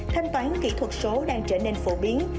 thanh toán kỹ thuật số đang trở nên phổ biến